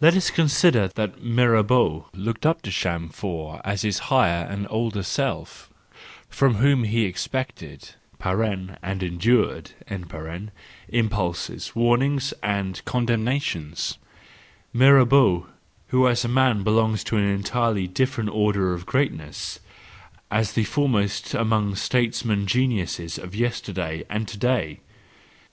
Let us but consider that Mirabeau looked up to Chamfort as to his higher and older self, THE JOYFUL WISDOM, II 129 from whom he expected (and endured) impulses, warnings, and condemnations,—Mirabeau, who as a man belongs to an entirely different order of greatness, as the very foremost among the states¬ man geniuses of yesterday and to day.